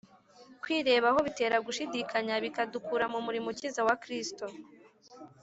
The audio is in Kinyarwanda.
Kwirebaho bitera gushidikanya bikadukura mu murimo ukiza wa Kristo.